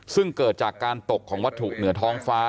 ซึ่งเกิดจากการตกของวัตถุเหนือท้องฟ้า